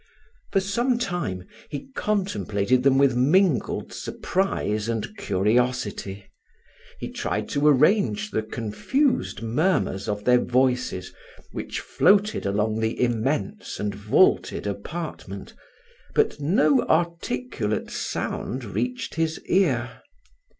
For some time he contemplated them with mingled surprise and curiosity he tried to arrange the confused murmurs of their voices, which floated along the immense and vaulted apartment, but no articulate sound reached his ear.